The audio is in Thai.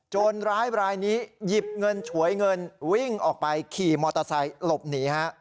ร้ายรายนี้หยิบเงินฉวยเงินวิ่งออกไปขี่มอเตอร์ไซค์หลบหนีฮะ